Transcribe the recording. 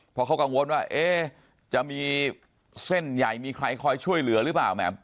เพราะเขากังวลว่าจะมีเส้นใหญ่มีใครคอยช่วยเหลือหรือเปล่า